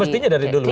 mestinya dari dulu